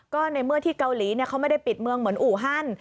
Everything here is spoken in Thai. ก็ในเมื่อที่เกาหลีเขาไม่ได้ปิดเมืองเหมือนอูฮัน